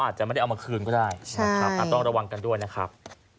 อาจจะไม่ได้เอามาคืนก็ได้นะครับต้องระวังกันด้วยนะครับ